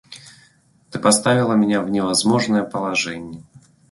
Ты поставила меня в невозможное положение.